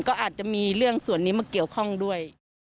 ก็อาจจะมีเรื่องส่วนนี้มาเกี่ยวข้องด้วย